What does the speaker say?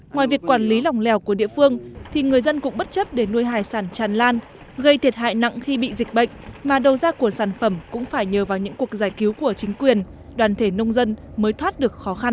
ngoài việc quản lý lòng lèo của địa phương thì người dân cũng bất chấp để nuôi hải sản tràn lan gây thiệt hại nặng khi bị dịch bệnh mà đầu ra của sản phẩm cũng phải nhờ vào những cuộc giải cứu của chính quyền đoàn thể nông dân mới thoát được khó khăn